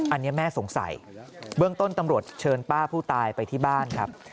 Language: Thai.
อันนี้แม่สงสัยเบื้องต้นตำรวจเชิญป้าผู้ตายไปที่บ้านครับ